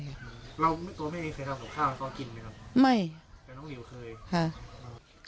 เราตัวแม่เคยทำของข้าวแล้วก็กินไหมครับไม่แต่น้องหลิวเคยค่ะ